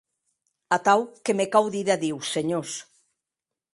Atau que me cau díder adiu, senhors.